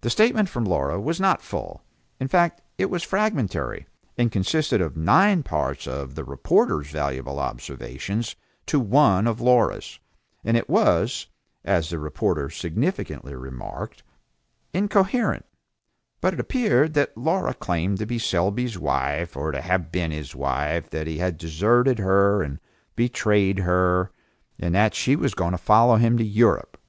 The statement from Laura was not full, in fact it was fragmentary, and consisted of nine parts of, the reporter's valuable observations to one of Laura's, and it was, as the reporter significantly remarked, "incoherent", but it appeared that Laura claimed to be Selby's wife, or to have been his wife, that he had deserted her and betrayed her, and that she was going to follow him to Europe.